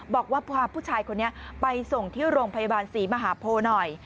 บอกว่าพาผู้ชายคนนี้ไปส่งที่โรงพยาบาลศรีมหาโพหน่อย